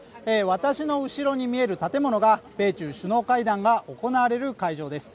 私の後ろに見える建物が米中首脳会談が行われる会場です。